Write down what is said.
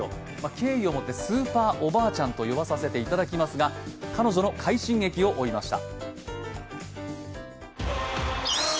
敬意を持って、スーパーおばあちゃんと呼ばさせていただきますが、彼女の快進撃を追いました。